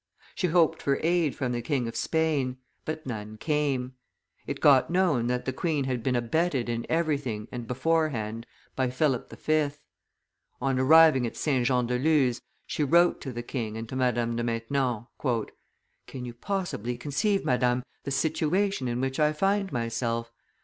She hoped for aid from the king of Spain; but none came; it got known that the queen had been abetted in everything and beforehand by Philip V. On arriving at St. Jean de Luz, she wrote to the king and to Madame de Maintenon: "Can you possibly conceive, Madame, the situation in which I find myself?